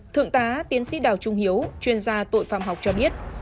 thượng tá tiến sĩ đào trung hiếu chuyên gia tội phạm học cho biết